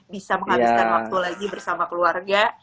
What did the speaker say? bisa menghabiskan waktu lagi bersama keluarga